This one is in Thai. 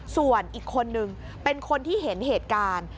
ส่วนอีกคนนึงเป็นคนที่เห็นเหตุการณ์